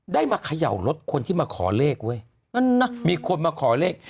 ได้มาเขย่ารถคนที่มาขอเลขเว้ยมีคนมาขอเลข